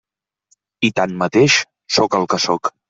I tanmateix, sóc el que sóc.